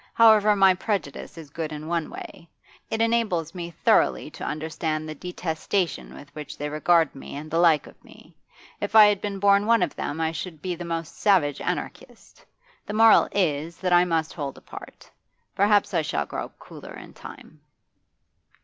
However, my prejudice is good in one way; it enables me thoroughly to understand the detestation with which they regard me and the like of me. If I had been born one of them I should be the most savage anarchist. The moral is, that I must hold apart. Perhaps I shall grow cooler in time.